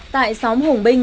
tại xóm hùng binh